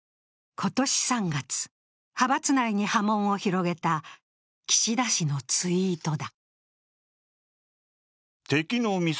今年３月、派閥内に波紋を広げた岸田氏のツイートだ。